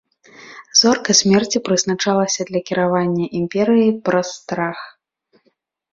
Зорка смерці прызначалася для кіравання імперыяй праз страх.